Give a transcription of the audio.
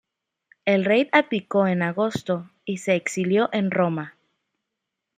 El rey abdicó en agosto y se exilió en Roma.